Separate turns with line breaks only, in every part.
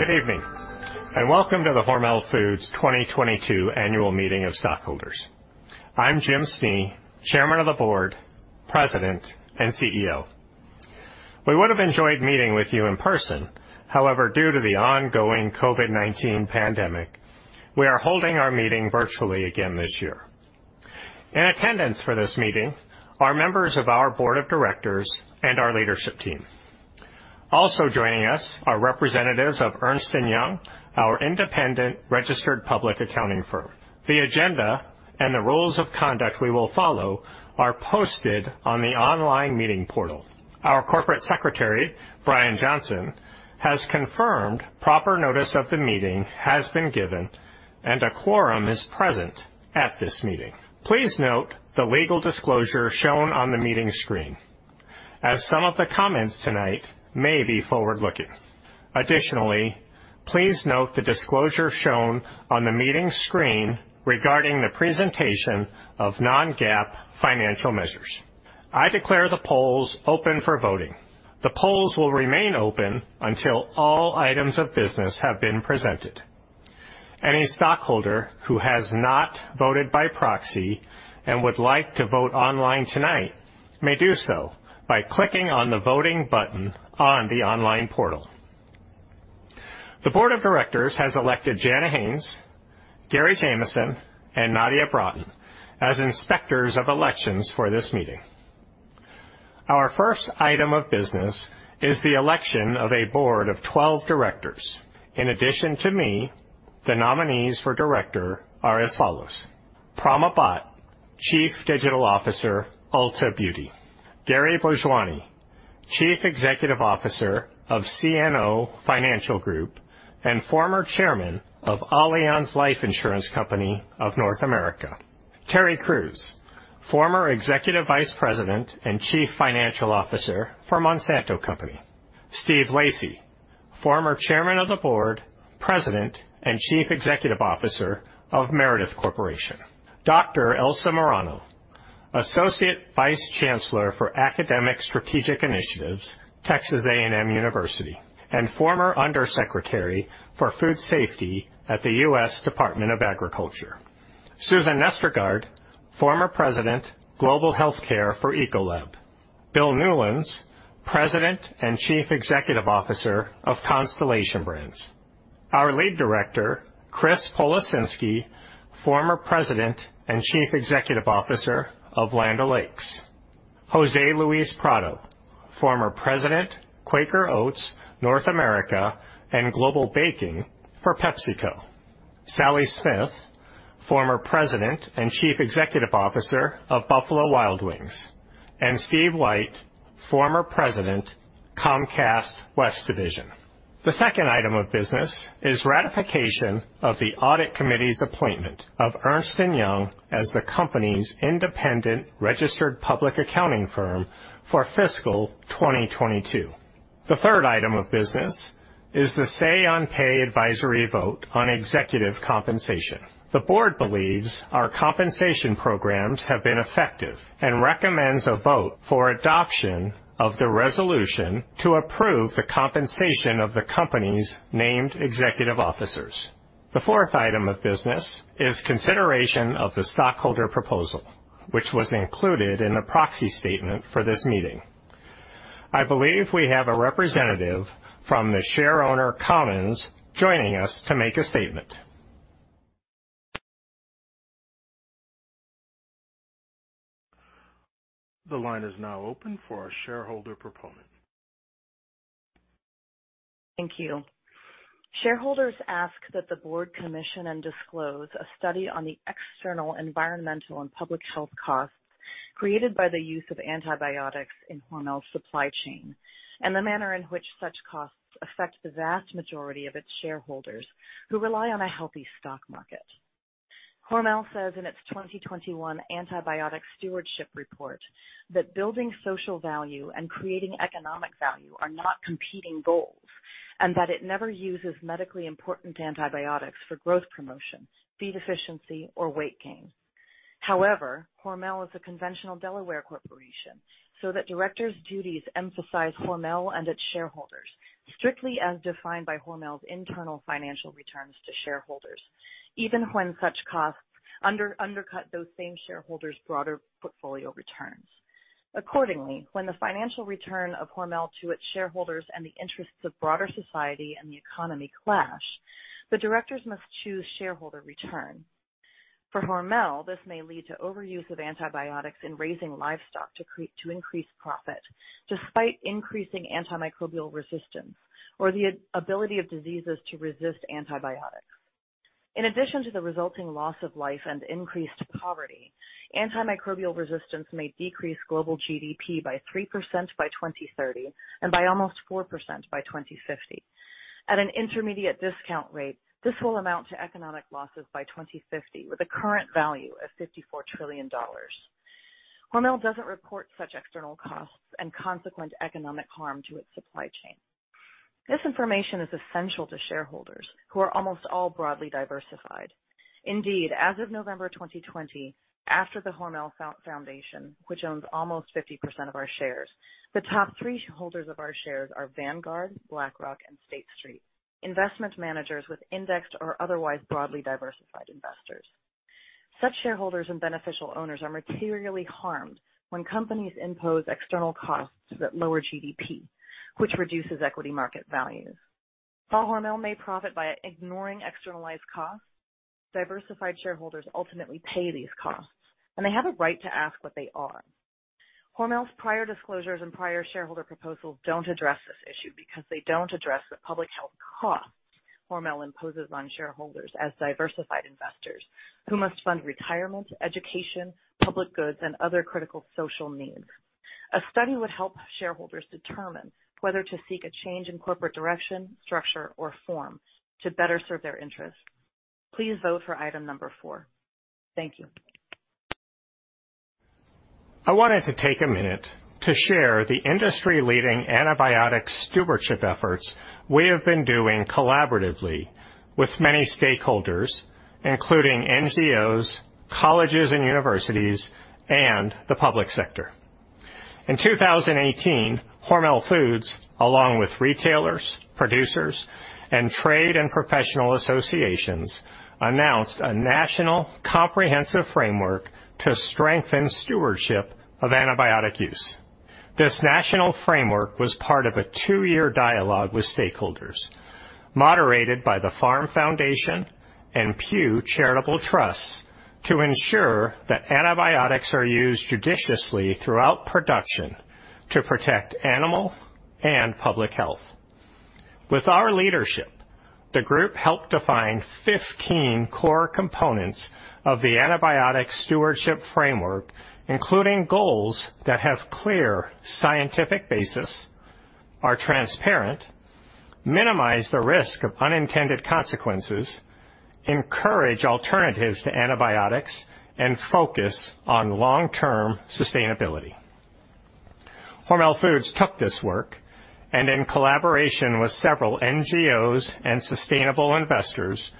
Good evening, and welcome to the Hormel Foods 2022 Annual Meeting of Stockholders. I'm Jim Snee, Chairman of the Board, President, and CEO. We would have enjoyed meeting with you in person. However, due to the ongoing COVID-19 pandemic, we are holding our meeting virtually again this year. In attendance for this meeting are members of our board of directors and our leadership team. Also joining us are representatives of Ernst & Young, our independent registered public accounting firm. The agenda and the rules of conduct we will follow are posted on the online meeting portal. Our corporate secretary, Brian Johnson, has confirmed proper notice of the meeting has been given and a quorum is present at this meeting. Please note the legal disclosure shown on the meeting screen as some of the comments tonight may be forward-looking. Additionally, please note the disclosure shown on the meeting screen regarding the presentation of non-GAAP financial measures. I declare the polls open for voting. The polls will remain open until all items of business have been presented. Any stockholder who has not voted by proxy and would like to vote online tonight may do so by clicking on the voting button on the online portal. The board of directors has elected Jana Haines, Gary Jamieson, and Nadia Broughton as inspectors of elections for this meeting. Our first item of business is the election of a board of 12 directors. In addition to me, the nominees for director are as follows: Prama Bhatt, Chief Digital Officer, Ulta Beauty. Gary Bhojwani, Chief Executive Officer of CNO Financial Group and former Chairman of Allianz Life Insurance Company of North America. Terry Crews, former Executive Vice President and Chief Financial Officer for Monsanto Company. Steve Lacy, former Chairman of the Board, President, and Chief Executive Officer of Meredith Corporation. Dr. Elsa Murano, Associate Vice Chancellor for Strategic Initiatives, Texas A&M University, and former Undersecretary for Food Safety at the U.S. Department of Agriculture. Susan Nestegard, former President, Global Healthcare for Ecolab. Bill Newlands, President and Chief Executive Officer of Constellation Brands. Our lead director, Chris Policinski, former President and Chief Executive Officer of Land O'Lakes. Jose Luis Prado, former President, Quaker Foods North America, and Global Baking for PepsiCo. Sally Smith, former President and Chief Executive Officer of Buffalo Wild Wings. Steve White, former President, Comcast West Division. The second item of business is ratification of the audit committee's appointment of Ernst & Young as the company's independent registered public accounting firm for fiscal 2022. The third item of business is the say on pay advisory vote on executive compensation. The Board believes our compensation programs have been effective and recommends a vote for adoption of the resolution to approve the compensation of the company's named executive officers. The fourth item of business is consideration of the stockholder proposal, which was included in the proxy statement for this meeting. I believe we have a representative from the Shareholder Commons joining us to make a statement.
The line is now open for our shareholder proponent.
Thank you. Shareholders ask that the board commission and disclose a study on the external environmental and public health costs created by the use of antibiotics in Hormel's supply chain and the manner in which such costs affect the vast majority of its shareholders who rely on a healthy stock market. Hormel says in its 2021 antibiotic stewardship report that building social value and creating economic value are not competing goals and that it never uses medically important antibiotics for growth promotion, feed efficiency or weight gain. However, Hormel is a conventional Delaware corporation, so that directors' duties emphasize Hormel and its shareholders strictly as defined by Hormel's internal financial returns to shareholders, even when such costs undercut those same shareholders' broader portfolio returns. Accordingly, when the financial return of Hormel to its shareholders and the interests of broader society and the economy clash, the directors must choose shareholder return. For Hormel, this may lead to overuse of antibiotics in raising livestock to increase profit, despite increasing antimicrobial resistance or the ability of diseases to resist antibiotics. In addition to the resulting loss of life and increased poverty, antimicrobial resistance may decrease global GDP by 3% by 2030 and by almost 4% by 2050. At an intermediate discount rate, this will amount to economic losses by 2050 with a current value of $54 trillion. Hormel doesn't report such external costs and consequent economic harm to its supply chain. This information is essential to shareholders who are almost all broadly diversified. Indeed, as of November 2020, after the Hormel Foundation, which owns almost 50% of our shares, the top three shareholders of our shares are Vanguard, BlackRock and State Street, investment managers with indexed or otherwise broadly diversified investors. Such shareholders and beneficial owners are materially harmed when companies impose external costs that lower GDP, which reduces equity market values. While Hormel may profit by ignoring externalized costs, diversified shareholders ultimately pay these costs, and they have a right to ask what they are. Hormel's prior disclosures and prior shareholder proposals don't address this issue because they don't address the public health costs Hormel imposes on shareholders as diversified investors who must fund retirement, education, public goods, and other critical social needs. A study would help shareholders determine whether to seek a change in corporate direction, structure or form to better serve their interests. Please vote for item number four. Thank you.
I wanted to take a minute to share the industry-leading antibiotic stewardship efforts we have been doing collaboratively with many stakeholders, including NGOs, colleges and universities, and the public sector. In 2018, Hormel Foods, along with retailers, producers, and trade and professional associations, announced a national comprehensive framework to strengthen stewardship of antibiotic use. This national framework was part of a two-year dialogue with stakeholders, moderated by the Farm Foundation and Pew Charitable Trusts, to ensure that antibiotics are used judiciously throughout production to protect animal and public health. With our leadership, the group helped define 15 core components of the antibiotic stewardship framework, including goals that have clear scientific basis, are transparent, minimize the risk of unintended consequences, encourage alternatives to antibiotics, and focus on long-term sustainability. Hormel Foods took this work and in collaboration with several NGOs and sustainable investors,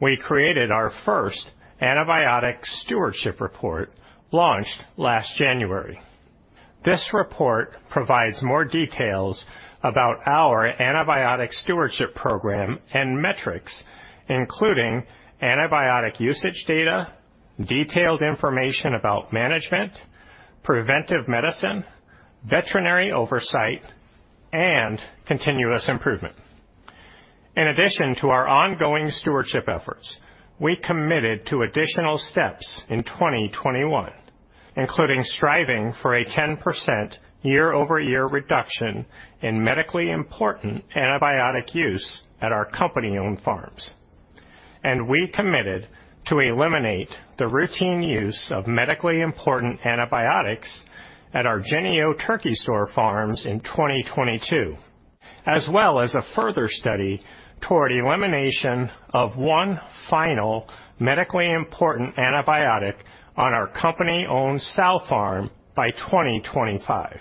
we created our first antibiotic stewardship report launched last January. This report provides more details about our antibiotic stewardship program and metrics including antibiotic usage data, detailed information about management, preventive medicine, veterinary oversight, and continuous improvement. In addition to our ongoing stewardship efforts, we committed to additional steps in 2021, including striving for a 10% year-over-year reduction in medically important antibiotic use at our company-owned farms. We committed to eliminate the routine use of medically important antibiotics at our Jennie-O Turkey Store farms in 2022, as well as a further study toward elimination of one final medically important antibiotic on our company-owned sow farm by 2025.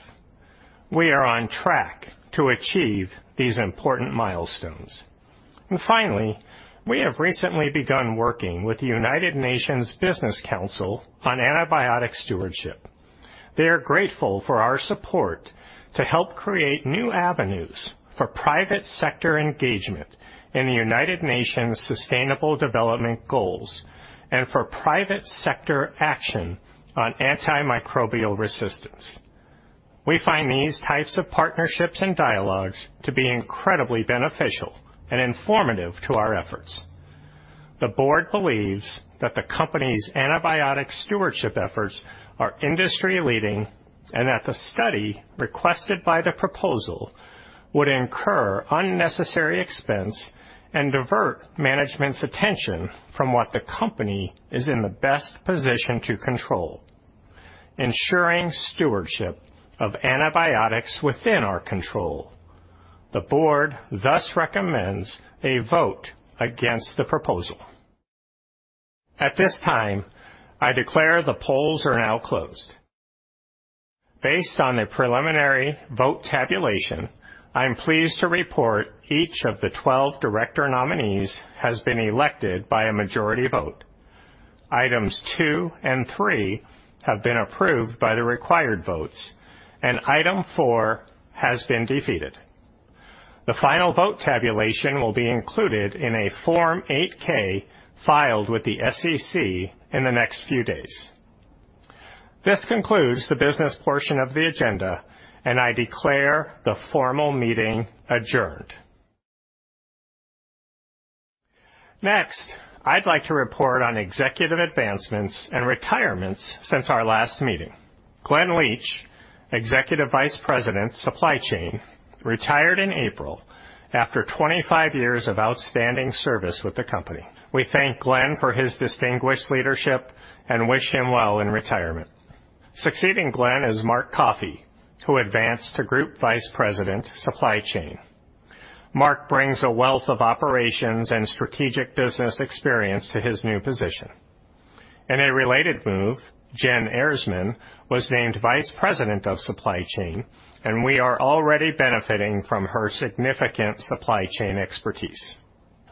We are on track to achieve these important milestones. Finally, we have recently begun working with the United Nations Business Council on antibiotic stewardship. They are grateful for our support to help create new avenues for private sector engagement in the United Nations Sustainable Development Goals and for private sector action on antimicrobial resistance. We find these types of partnerships and dialogues to be incredibly beneficial and informative to our efforts. The board believes that the company's antibiotic stewardship efforts are industry leading, and that the study requested by the proposal would incur unnecessary expense and divert management's attention from what the company is in the best position to control, ensuring stewardship of antibiotics within our control. The board thus recommends a vote against the proposal. At this time, I declare the polls are now closed. Based on the preliminary vote tabulation, I am pleased to report each of the 12 director nominees has been elected by a majority vote. Items two and three have been approved by the required votes, and item four has been defeated. The final vote tabulation will be included in a Form 8-K filed with the SEC in the next few days. This concludes the business portion of the agenda, and I declare the formal meeting adjourned. Next, I'd like to report on executive advancements and retirements since our last meeting. Glenn Leitch, Executive Vice President, Supply Chain, retired in April after 25 years of outstanding service with the company. We thank Glenn for his distinguished leadership and wish him well in retirement. Succeeding Glenn is Mark Coffey, who advanced to Group Vice President, Supply Chain. Mark brings a wealth of operations and strategic business experience to his new position. In a related move, Jen Ehresmann was named Vice President of Supply Chain, and we are already benefiting from her significant supply chain expertise.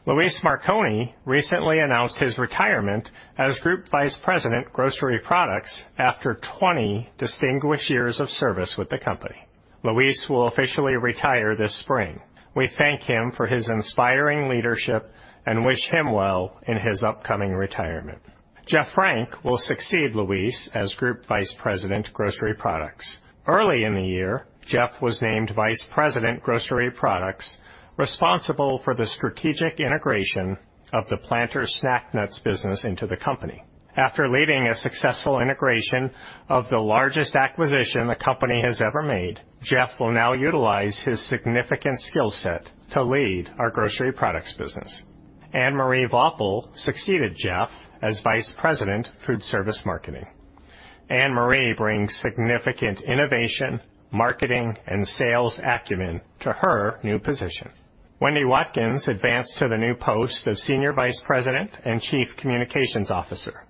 Luis Marconi recently announced his retirement as Group Vice President, Grocery Products after 20 distinguished years of service with the company. Luis will officially retire this spring. We thank him for his inspiring leadership and wish him well in his upcoming retirement. Jeff Frank will succeed Luis as Group Vice President, Grocery Products. Early in the year, Jeff was named Vice President, Grocery Products, responsible for the strategic integration of the Planters Snack Nuts business into the company. After leading a successful integration of the largest acquisition the company has ever made, Jeff will now utilize his significant skill set to lead our grocery products business. Annemarie Vaupel succeeded Jeff as Vice President, Foodservice Marketing. Annemarie brings significant innovation, marketing, and sales acumen to her new position. Wendy Watkins advanced to the new post of Senior Vice President and Chief Communications Officer.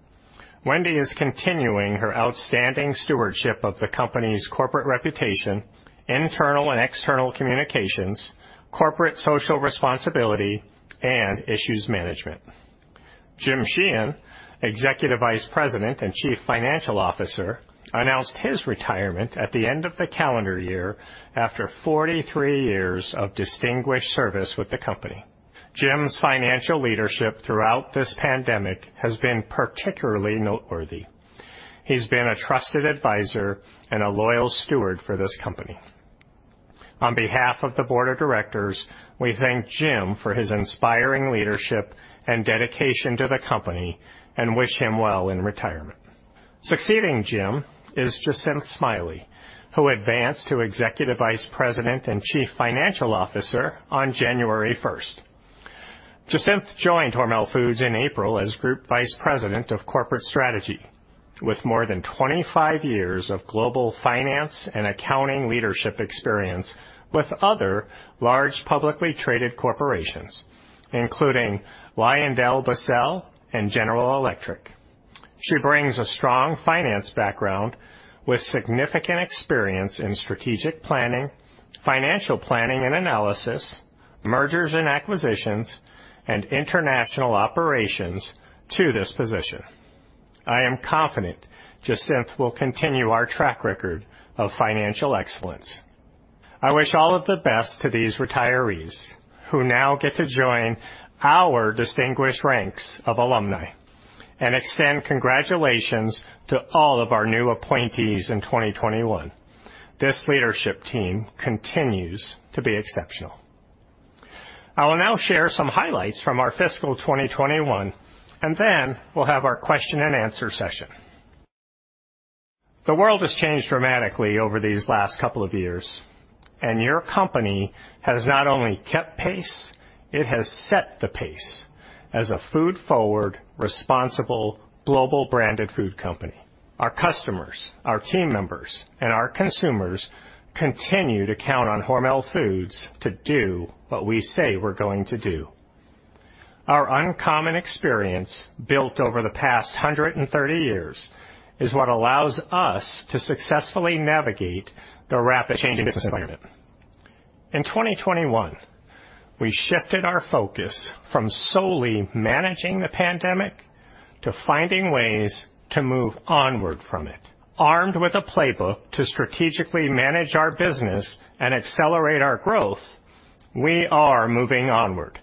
Wendy is continuing her outstanding stewardship of the company's corporate reputation, internal and external communications, corporate social responsibility, and issues management. Jim Sheehan, Executive Vice President and Chief Financial Officer, announced his retirement at the end of the calendar year after 43 years of distinguished service with the company. Jim's financial leadership throughout this pandemic has been particularly noteworthy. He's been a trusted advisor and a loyal steward for this company. On behalf of the Board of Directors, we thank Jim for his inspiring leadership and dedication to the company and wish him well in retirement. Succeeding Jim is Jacinth Smiley, who advanced to Executive Vice President and Chief Financial Officer on January first. Jacinth joined Hormel Foods in April as Group Vice President of Corporate Strategy with more than 25 years of global finance and accounting leadership experience with other large publicly traded corporations, including LyondellBasell and General Electric. She brings a strong finance background with significant experience in strategic planning, financial planning and analysis, mergers and acquisitions, and international operations to this position. I am confident Jacinth will continue our track record of financial excellence. I wish all of the best to these retirees who now get to join our distinguished ranks of alumni and extend congratulations to all of our new appointees in 2021. This leadership team continues to be exceptional. I will now share some highlights from our fiscal 2021, and then we'll have our question and answer session. The world has changed dramatically over these last couple of years, and your company has not only kept pace, it has set the pace as a food forward, responsible, global branded food company. Our customers, our team members, and our consumers continue to count on Hormel Foods to do what we say we're going to do. Our uncommon experience built over the past 130 years is what allows us to successfully navigate the rapidly changing system. In 2021, we shifted our focus from solely managing the pandemic to finding ways to move onward from it. Armed with a playbook to strategically manage our business and accelerate our growth, we are moving onward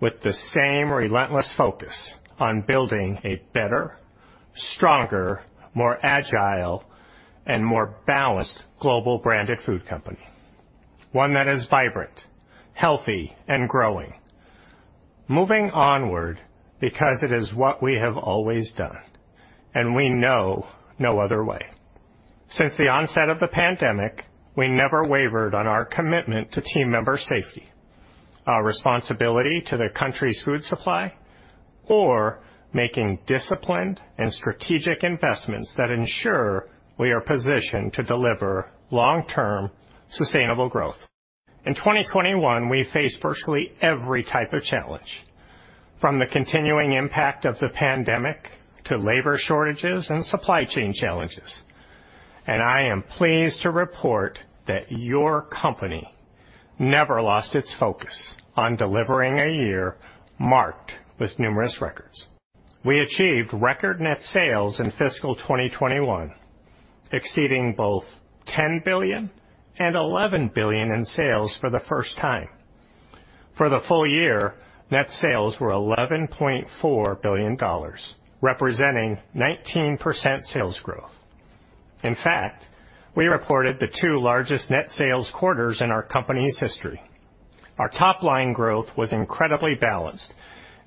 with the same relentless focus on building a better, stronger, more agile, and more balanced global branded food company, one that is vibrant, healthy, and growing. Moving onward because it is what we have always done, and we know no other way. Since the onset of the pandemic, we never wavered on our commitment to team member safety, our responsibility to the country's food supply, or making disciplined and strategic investments that ensure we are positioned to deliver long-term sustainable growth. In 2021, we faced virtually every type of challenge, from the continuing impact of the pandemic to labor shortages and supply chain challenges. I am pleased to report that your company never lost its focus on delivering a year marked with numerous records. We achieved record net sales in fiscal 2021, exceeding both $10 billion and $11 billion in sales for the first time. For the full year, net sales were $11.4 billion, representing 19% sales growth. In fact, we reported the two largest net sales quarters in our company's history. Our top line growth was incredibly balanced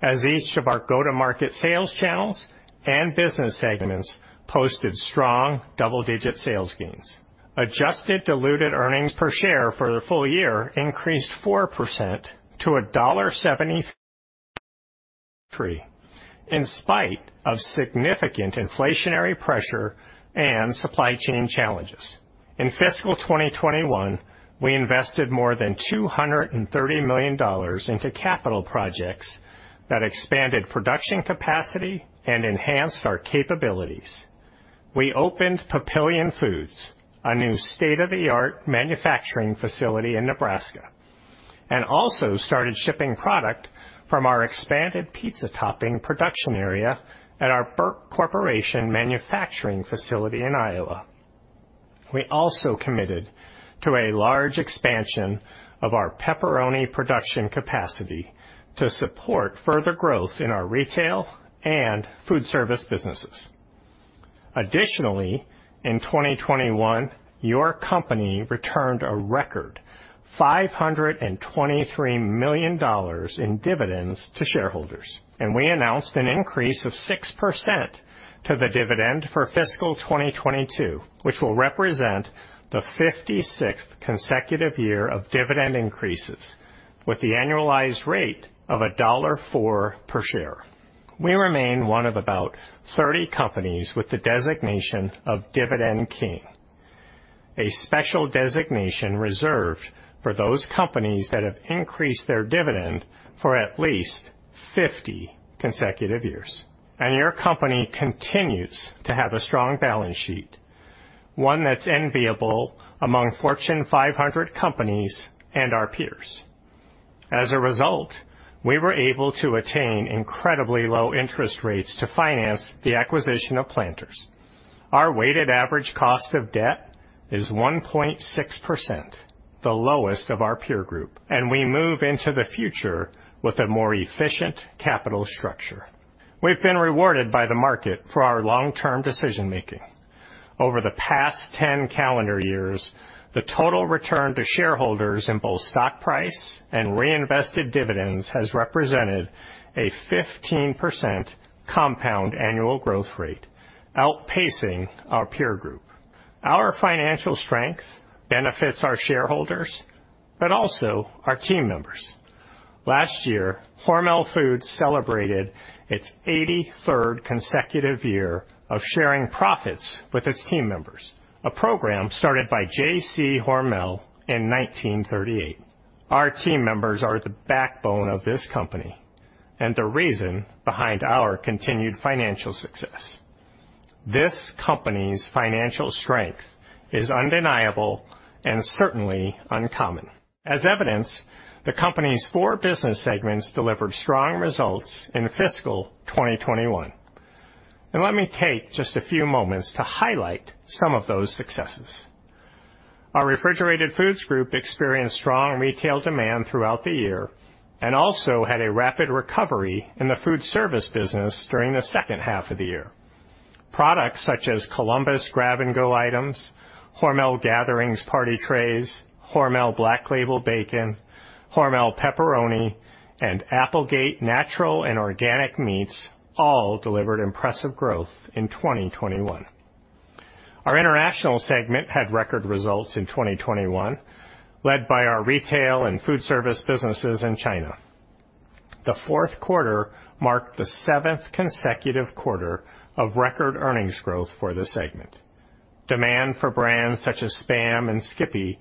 as each of our go-to-market sales channels and business segments posted strong double-digit sales gains. Adjusted diluted earnings per share for the full year increased 4% to $1.73 in spite of significant inflationary pressure and supply chain challenges. In fiscal 2021, we invested more than $230 million into capital projects that expanded production capacity and enhanced our capabilities. We opened Papillion Foods, a new state-of-the-art manufacturing facility in Nebraska, and also started shipping product from our expanded pizza topping production area at our Burke Corporation manufacturing facility in Iowa. We also committed to a large expansion of our pepperoni production capacity to support further growth in our retail and food service businesses. Additionally, in 2021, your company returned a record $523 million in dividends to shareholders, and we announced an increase of 6% to the dividend for fiscal 2022, which will represent the 56th consecutive year of dividend increases with the annualized rate of $1.04 per share. We remain one of about 30 companies with the designation of Dividend King, a special designation reserved for those companies that have increased their dividend for at least 50 consecutive years. Your company continues to have a strong balance sheet, one that's enviable among Fortune 500 companies and our peers. As a result, we were able to attain incredibly low interest rates to finance the acquisition of Planters. Our weighted average cost of debt is 1.6%, the lowest of our peer group, and we move into the future with a more efficient capital structure. We've been rewarded by the market for our long-term decision-making. Over the past 10 calendar years, the total return to shareholders in both stock price and reinvested dividends has represented a 15% compound annual growth rate, outpacing our peer group. Our financial strength benefits our shareholders, but also our team members. Last year, Hormel Foods celebrated its 83rd consecutive year of sharing profits with its team members, a program started by J.C. Hormel in 1938. Our team members are the backbone of this company and the reason behind our continued financial success. This company's financial strength is undeniable and certainly uncommon. As evidence, the company's four business segments delivered strong results in fiscal 2021. Let me take just a few moments to highlight some of those successes. Our Refrigerated Foods Group experienced strong retail demand throughout the year and also had a rapid recovery in the food service business during the second half of the year. Products such as Columbus Grab-N-Go items, Hormel Gatherings party trays, Hormel Black Label bacon, Hormel pepperoni, and Applegate natural and organic meats all delivered impressive growth in 2021. Our international segment had record results in 2021, led by our retail and food service businesses in China. The fourth quarter marked the seventh consecutive quarter of record earnings growth for the segment. Demand for brands such as SPAM and Skippy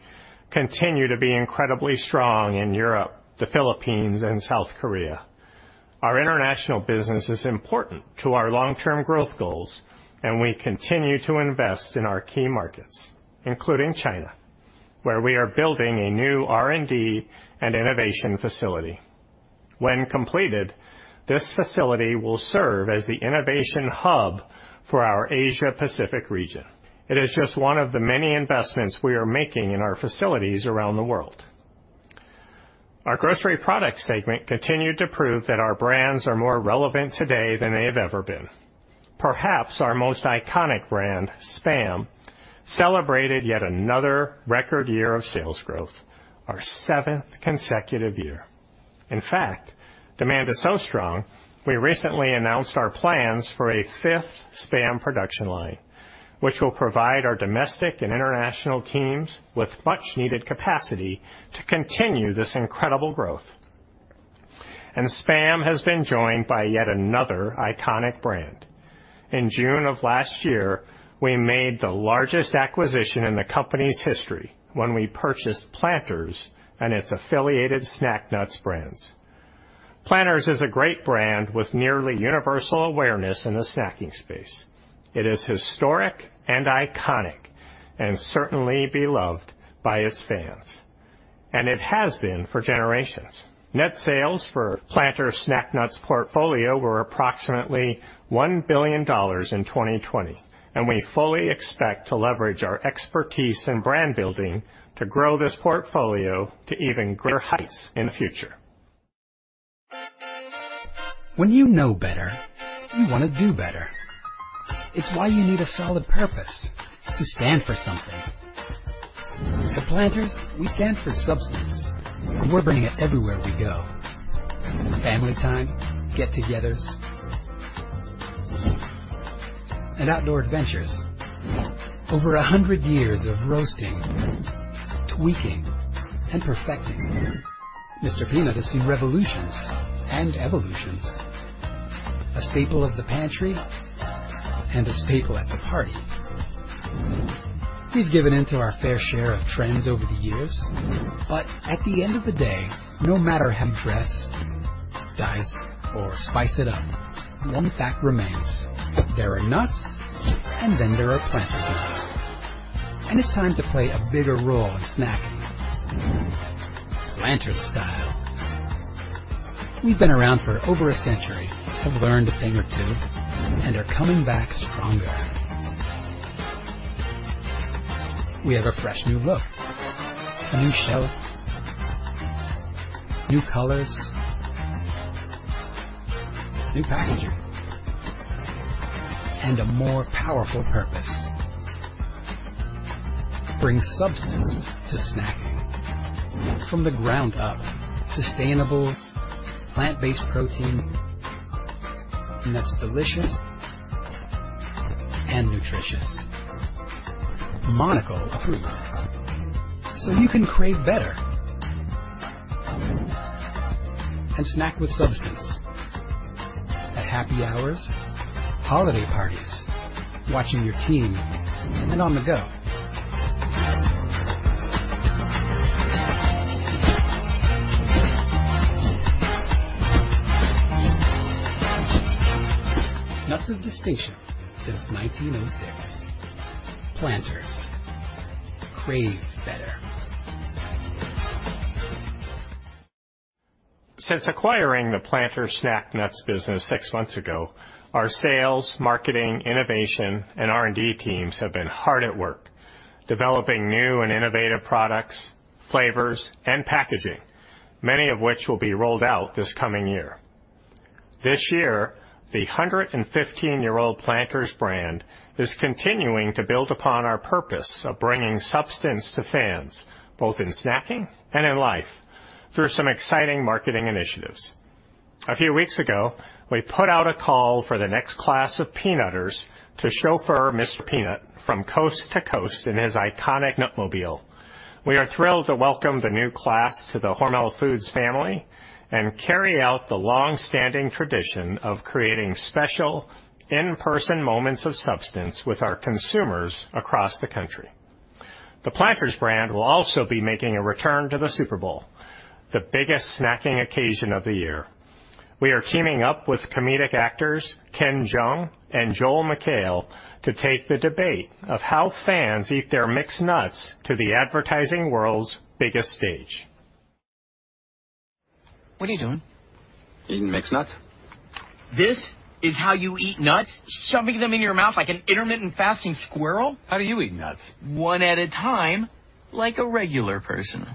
continue to be incredibly strong in Europe, the Philippines, and South Korea. Our international business is important to our long-term growth goals, and we continue to invest in our key markets, including China, where we are building a new R&D and innovation facility. When completed, this facility will serve as the innovation hub for our Asia Pacific region. It is just one of the many investments we are making in our facilities around the world. Our Grocery Products segment continued to prove that our brands are more relevant today than they have ever been. Perhaps our most iconic brand, SPAM, celebrated yet another record year of sales growth, our seventh consecutive year. In fact, demand is so strong we recently announced our plans for a fifth SPAM production line, which will provide our domestic and international teams with much needed capacity to continue this incredible growth. SPAM has been joined by yet another iconic brand. In June of last year, we made the largest acquisition in the company's history when we purchased Planters and its affiliated snack nuts brands. Planters is a great brand with nearly universal awareness in the snacking space. It is historic and iconic and certainly beloved by its fans, and it has been for generations. Net sales for Planters snack nuts portfolio were approximately $1 billion in 2020, and we fully expect to leverage our expertise in brand building to grow this portfolio to even greater heights in the future.
When you know better, you wanna do better. It's why you need a solid purpose to stand for something. To Planters, we stand for substance. We're bringing it everywhere we go. Family time, get-togethers and outdoor adventures. Over 100 years of roasting, tweaking and perfecting. Mr. Peanut has seen revolutions and evolutions. A staple of the pantry and a staple at the party. We've given in to our fair share of trends over the years, but at the end of the day, no matter how we dress, dice, or spice it up, one fact remains. There are nuts, and then there are Planters nuts. It's time to play a bigger role in snacking, Planters style. We've been around for over a century, have learned a thing or two, and are coming back stronger. We have a fresh new look, a new shelf, new colors, new packaging, and a more powerful purpose. Bring substance to snacking. From the ground up, sustainable plant-based protein that's delicious and nutritious. Monocle approved. You can crave better and snack with substance at happy hours, holiday parties, watching your team, and on the go. Nuts of distinction since 1906. Planters. Crave better.
Since acquiring the Planters Snack Nuts business six months ago, our sales, marketing, innovation, and R&D teams have been hard at work developing new and innovative products, flavors, and packaging, many of which will be rolled out this coming year. This year, the 115-year-old Planters brand is continuing to build upon our purpose of bringing substance to fans, both in snacking and in life, through some exciting marketing initiatives. A few weeks ago, we put out a call for the next class of Peanutters to chauffeur Mr. Peanut from coast to coast in his iconic NUTmobile. We are thrilled to welcome the new class to the Hormel Foods family and carry out the long-standing tradition of creating special in-person moments of substance with our consumers across the country. The Planters brand will also be making a return to the Super Bowl, the biggest snacking occasion of the year. We are teaming up with comedic actors Ken Jeong and Joel McHale to take the debate of how fans eat their mixed nuts to the advertising world's biggest stage.
What are you doing?
Eating mixed nuts.
This is how you eat nuts? Shoving them in your mouth like an intermittent fasting squirrel.
How do you eat nuts?
One at a time, like a regular person.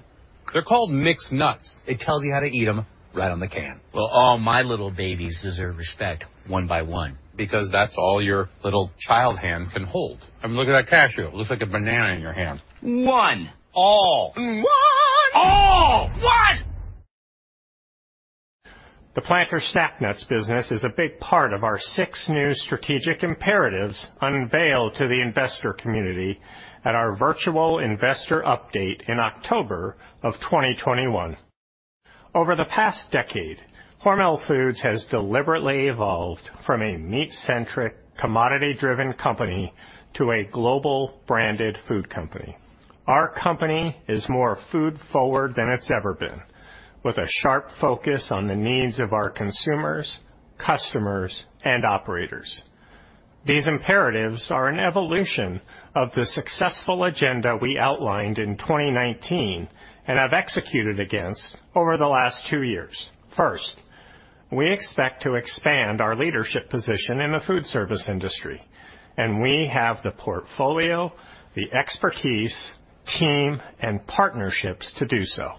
They're called mixed nuts. It tells you how to eat them right on the can.
Well, all my little babies deserve respect one by one.
Because that's all your little child hand can hold. I mean, look at that cashew. It looks like a banana in your hand.
One.
All.
One.
All.
One.
The Planters Snack Nuts business is a big part of our six new strategic imperatives unveiled to the investor community at our virtual investor update in October 2021. Over the past decade, Hormel Foods has deliberately evolved from a meat-centric, commodity-driven company to a global branded food company. Our company is more food-forward than it's ever been, with a sharp focus on the needs of our consumers, customers, and operators. These imperatives are an evolution of the successful agenda we outlined in 2019 and have executed against over the last two years. First, we expect to expand our leadership position in the food service industry, and we have the portfolio, the expertise, team, and partnerships to do so.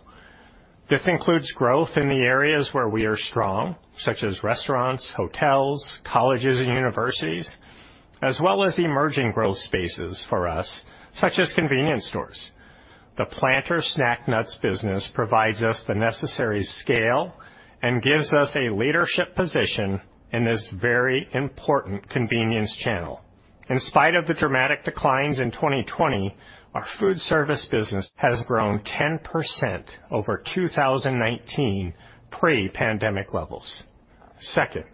This includes growth in the areas where we are strong, such as restaurants, hotels, colleges, and universities, as well as emerging growth spaces for us, such as convenience stores. The Planters Snack Nuts business provides us the necessary scale and gives us a leadership position in this very important convenience channel. In spite of the dramatic declines in 2020, our food service business has grown 10% over 2019 pre-pandemic levels. Second,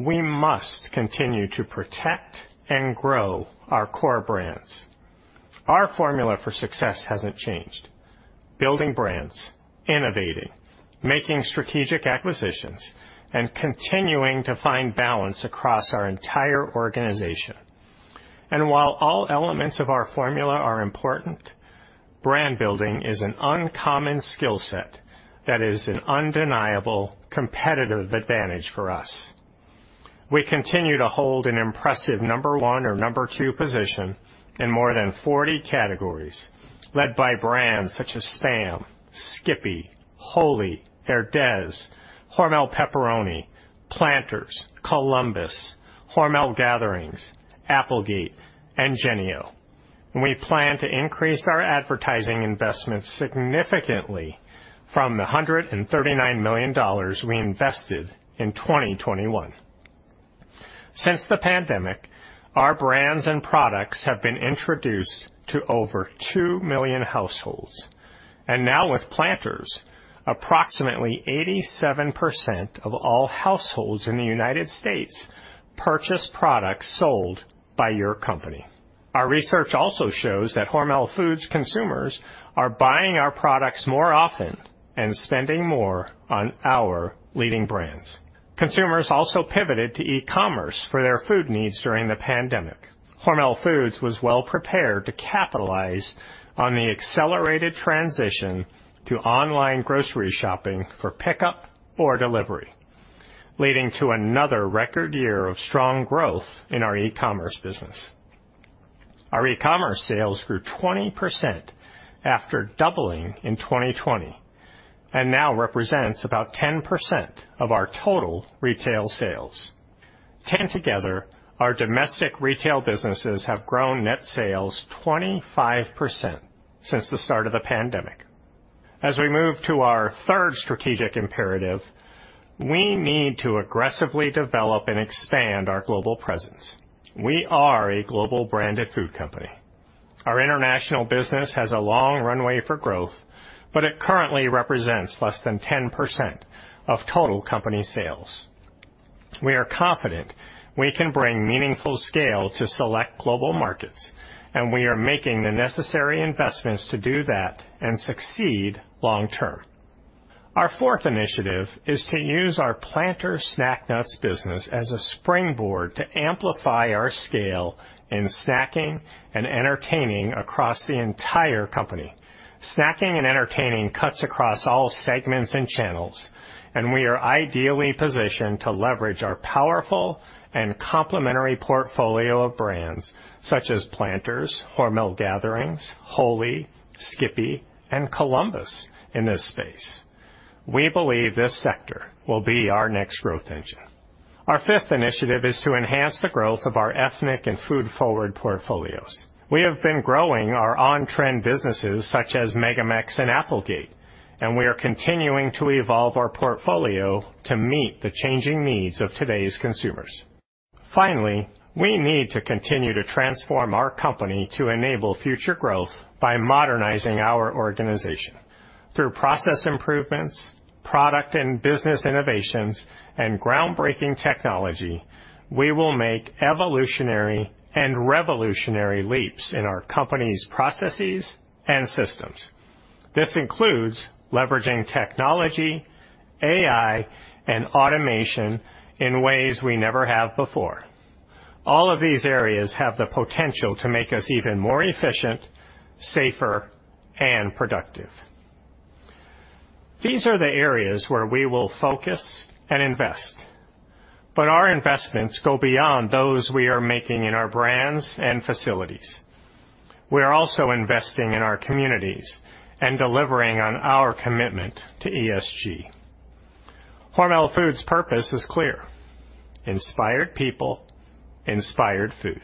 we must continue to protect and grow our core brands. Our formula for success hasn't changed. Building brands, innovating, making strategic acquisitions, and continuing to find balance across our entire organization. While all elements of our formula are important, brand building is an uncommon skill set that is an undeniable competitive advantage for us. We continue to hold an impressive number one or number two position in more than 40 categories, led by brands such as SPAM, Skippy, Wholly, Herdez, Hormel Pepperoni, Planters, Columbus, Hormel Gatherings, Applegate, and Jennie-O. We plan to increase our advertising investments significantly from the $139 million we invested in 2021. Since the pandemic, our brands and products have been introduced to over two million households. Now with Planters, approximately 87% of all households in the United States purchase products sold by your company. Our research also shows that Hormel Foods consumers are buying our products more often and spending more on our leading brands. Consumers also pivoted to e-commerce for their food needs during the pandemic. Hormel Foods was well prepared to capitalize on the accelerated transition to online grocery shopping for pickup or delivery, leading to another record year of strong growth in our e-commerce business. Our e-commerce sales grew 20% after doubling in 2020 and now represents about 10% of our total retail sales. Altogether, our domestic retail businesses have grown net sales 25% since the start of the pandemic. As we move to our third strategic imperative, we need to aggressively develop and expand our global presence. We are a global branded food company. Our international business has a long runway for growth, but it currently represents less than 10% of total company sales. We are confident we can bring meaningful scale to select global markets, and we are making the necessary investments to do that and succeed long term. Our fourth initiative is to use our Planters snack nuts business as a springboard to amplify our scale in snacking and entertaining across the entire company. Snacking and entertaining cuts across all segments and channels, and we are ideally positioned to leverage our powerful and complementary portfolio of brands, such as Planters, Hormel Gatherings, Wholly, Skippy, and Columbus in this space. We believe this sector will be our next growth engine. Our fifth initiative is to enhance the growth of our ethnic and food-forward portfolios. We have been growing our on-trend businesses such as MegaMex and Applegate, and we are continuing to evolve our portfolio to meet the changing needs of today's consumers. Finally, we need to continue to transform our company to enable future growth by modernizing our organization. Through process improvements, product and business innovations, and groundbreaking technology, we will make evolutionary and revolutionary leaps in our company's processes and systems. This includes leveraging technology, AI, and automation in ways we never have before. All of these areas have the potential to make us even more efficient, safer, and productive. These are the areas where we will focus and invest, but our investments go beyond those we are making in our brands and facilities. We are also investing in our communities and delivering on our commitment to ESG. Hormel Foods' purpose is clear, inspired people, inspired food,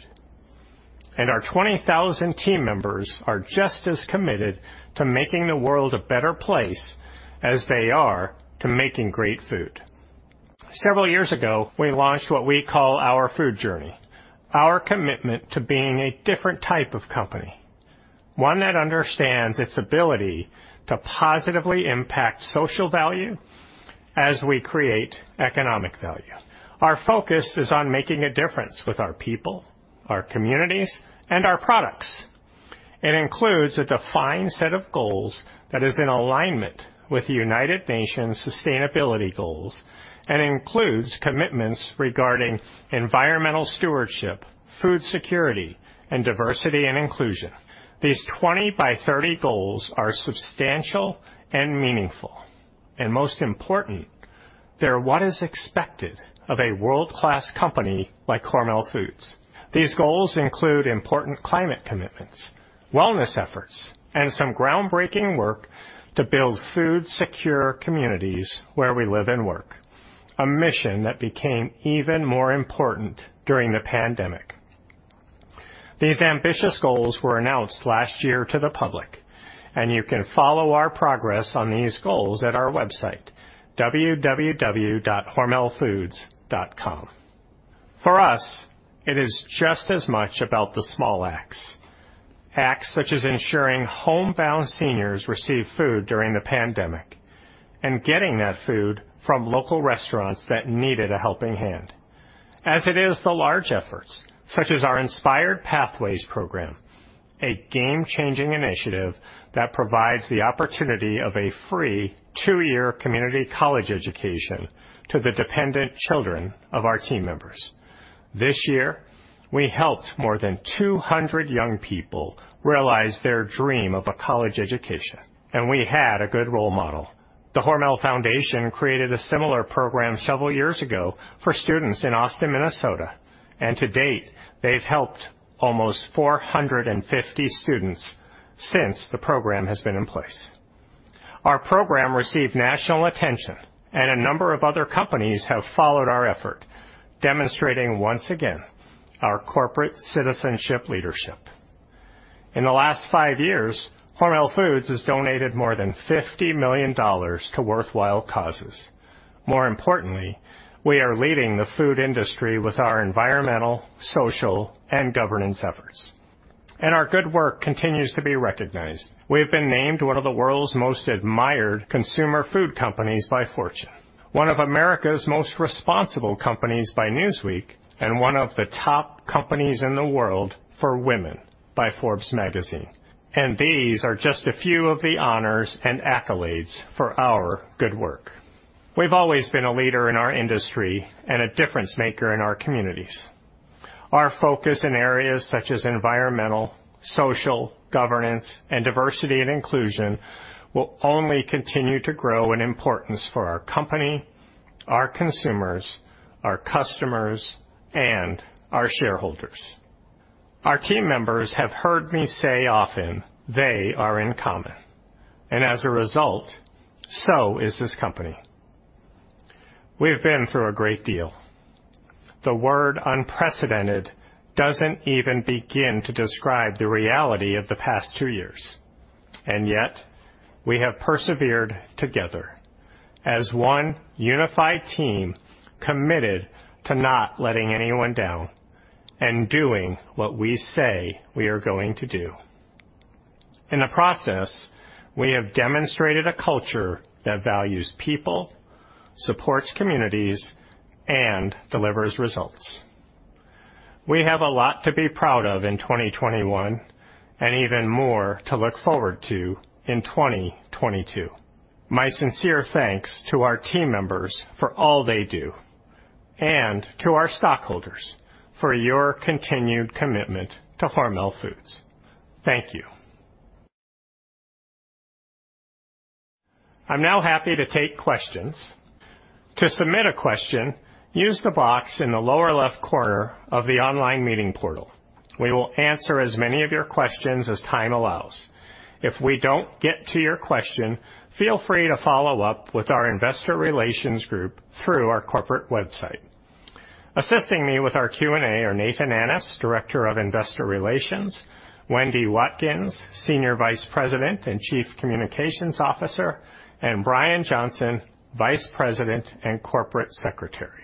and our 20,000 team members are just as committed to making the world a better place as they are to making great food. Several years ago, we launched what we call our food journey, our commitment to being a different type of company, one that understands its ability to positively impact social value as we create economic value. Our focus is on making a difference with our people, our communities, and our products. It includes a defined set of goals that is in alignment with the United Nations Sustainable Development Goals and includes commitments regarding environmental stewardship, food security, and diversity and inclusion. These 20 By 30 goals are substantial and meaningful, and most important, they're what is expected of a world-class company like Hormel Foods. These goals include important climate commitments, wellness efforts, and some groundbreaking work to build food secure communities where we live and work, a mission that became even more important during the pandemic. These ambitious goals were announced last year to the public, and you can follow our progress on these goals at our website, www.hormelfoods.com. For us, it is just as much about the small acts. Acts such as ensuring homebound seniors receive food during the pandemic and getting that food from local restaurants that needed a helping hand. It's the large efforts, such as our Inspired Pathways program, a game-changing initiative that provides the opportunity of a free two-year community college education to the dependent children of our team members. This year, we helped more than 200 young people realize their dream of a college education, and we had a good role model. The Hormel Foundation created a similar program several years ago for students in Austin, Minnesota, and to date, they've helped almost 450 students since the program has been in place. Our program received national attention and a number of other companies have followed our effort, demonstrating once again our corporate citizenship leadership. In the last five years, Hormel Foods has donated more than $50 million to worthwhile causes. More importantly, we are leading the food industry with our environmental, social, and governance efforts. Our good work continues to be recognized. We have been named one of the world's most admired consumer food companies by Fortune, one of America's most responsible companies by Newsweek, and one of the top companies in the world for women by Forbes Magazine. These are just a few of the honors and accolades for our good work. We've always been a leader in our industry and a difference maker in our communities. Our focus in areas such as environmental, social, governance, and diversity and inclusion will only continue to grow in importance for our company, our consumers, our customers, and our shareholders. Our team members have heard me say often they are uncommon, and as a result, so is this company. We have been through a great deal. The word unprecedented doesn't even begin to describe the reality of the past two years. Yet, we have persevered together as one unified team, committed to not letting anyone down and doing what we say we are going to do. In the process, we have demonstrated a culture that values people, supports communities, and delivers results. We have a lot to be proud of in 2021 and even more to look forward to in 2022. My sincere thanks to our team members for all they do, and to our stockholders for your continued commitment to Hormel Foods. Thank you. I'm now happy to take questions. To submit a question, use the box in the lower left corner of the online meeting portal. We will answer as many of your questions as time allows. If we don't get to your question, feel free to follow up with our investor relations group through our corporate website. Assisting me with our Q&A are Nathan Annis, Director of Investor Relations, Wendy Watkins, Senior Vice President and Chief Communications Officer, and Brian Johnson, Vice President and Corporate Secretary.